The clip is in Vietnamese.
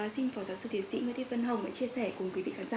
xin phó giáo sư thiên sĩ nguyễn thiên vân hồng chia sẻ cùng quý vị khán giả